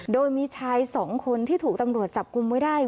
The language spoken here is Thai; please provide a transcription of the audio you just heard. โดยมีชายสองคนที่ถูกตำรวจจับกุมไว้ได้